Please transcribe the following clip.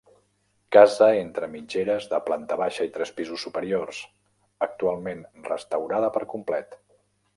Casa entre mitgeres de planta baixa i tres pisos superiors, actualment restaurada per complet.